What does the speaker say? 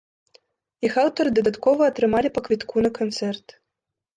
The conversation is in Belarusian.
Іх аўтары дадаткова атрымалі па квітку на канцэрт.